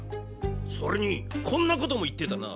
それにこんな事も言ってたな。